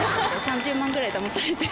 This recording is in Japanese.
３０万ぐらいだまされて。